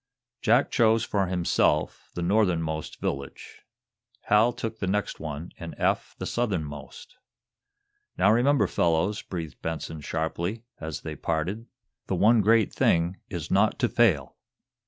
Jack chose, for himself, the northernmost village. Hal took the next one, and Eph the southernmost. "Now, remember, fellows," breathed Benson, sharply, as they parted, "the one great thing is not to fail!"